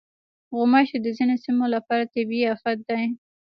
غوماشې د ځینو سیمو لپاره طبعي افت دی.